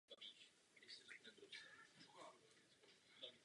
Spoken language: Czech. Správním městem okresu je Dover.